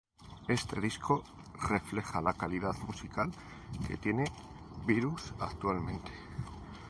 Este disco refleja la calidad musical que tiene Virus actualmente.